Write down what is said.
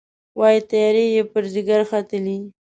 وايي، تیارې یې پر ځيګر ختلي